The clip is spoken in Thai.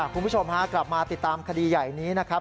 คุณผู้ชมฮะกลับมาติดตามคดีใหญ่นี้นะครับ